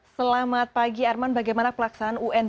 selamat pagi arman bagaimana pelaksanaan un